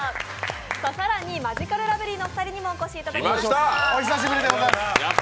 更にマヂカルラブリーのお二人にもお越しいただきました。